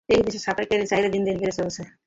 এই দেশে সাফাইকর্মীর চাহিদা দিন দিন বেড়ে চলেছে।